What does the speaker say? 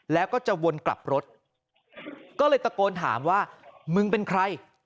แล้วก็จะวนกลับรถก็เลยตะโกนถามว่ามึงเป็นใคร